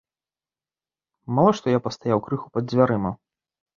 Мала што я пастаяў крыху пад дзвярыма.